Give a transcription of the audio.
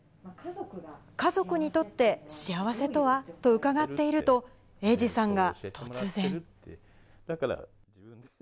家族にとって、幸せとはと伺っていると、英治さんが突然。